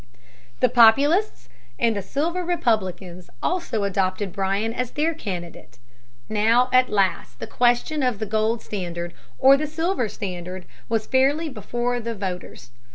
The Populists and the Silver Republicans also adopted Bryan as their candidate. Now, at last, the question of the gold standard or the silver standard was fairly before the voters.